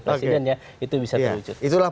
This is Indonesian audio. presiden ya itu bisa terwujud itulah